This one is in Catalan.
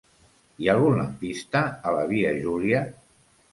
Hi ha algun lampista a la via Júlia?